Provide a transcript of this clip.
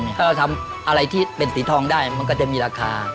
ถ้าเราทำอะไรที่เป็นสีทองได้มันก็จะมีราคา